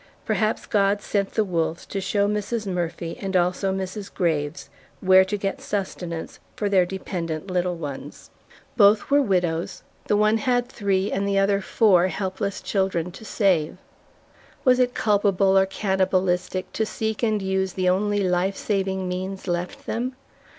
Perhaps God sent the wolves to show Mrs. Murphy and also Mrs. Graves where to get sustenance for their dependent little ones. Both were widows; the one had three, and the other four helpless children to save. Was it culpable, or cannibalistic to seek and use the only life saving means left them?